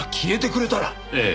ええ。